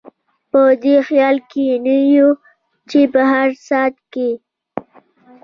په دې خیال کې نه یو چې په هر ساعت کې.